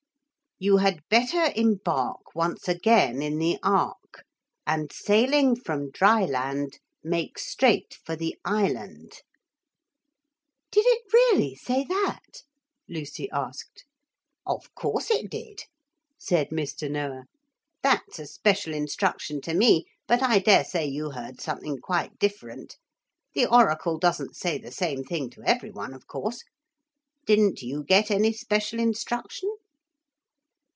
'You had better embark Once again in the Ark, And sailing from dryland Make straight for the Island.' 'Did it really say that?' Lucy asked. 'Of course it did,' said Mr. Noah; 'that's a special instruction to me, but I daresay you heard something quite different. The oracle doesn't say the same thing to every one, of course. Didn't you get any special instruction?'